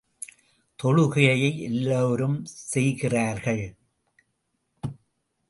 தொழுகையை எல்லாரும் செய்கிறார்கள்.